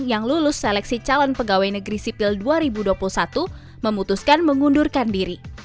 yang lulus seleksi calon pegawai negeri sipil dua ribu dua puluh satu memutuskan mengundurkan diri